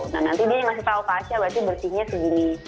nah nanti dia masih tau aca berarti bersihnya segini